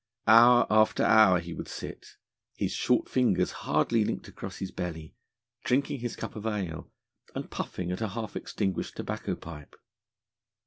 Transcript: Hour after hour he would sit, his short fingers hardly linked across his belly, drinking his cup of ale, and puffing at a half extinguished tobacco pipe.